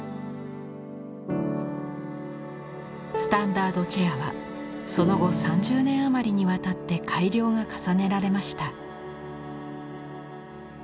スタンダードチェアはその後３０年余りにわたって改良が重ねられました。